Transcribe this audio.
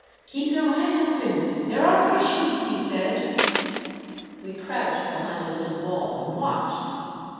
" Keep your eyes open ! there are the Prus sians !" he said. We crouched behind a little wall and watched.